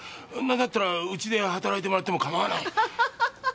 何だったらうちで働いてもらってもかまわない。